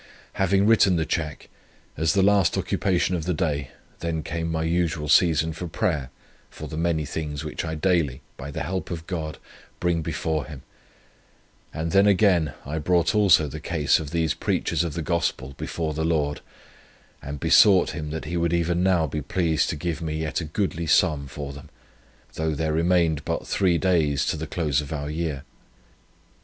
Having written the cheque, as the last occupation of the day, then came my usual season for prayer, for the many things which I daily, by the help of God, bring before Him; and then again, I brought also the case of these preachers of the Gospel before the Lord, and besought Him that He would even now be pleased to give me yet a goodly sum for them, though there remained but three days to the close of our year.